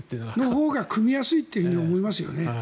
その方がくみやすいと思いますよね。